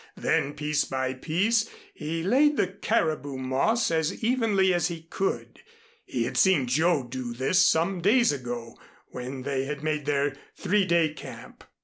Then piece by piece he laid the caribou moss as evenly as he could. He had seen Joe do this some days ago when they had made their three day camp.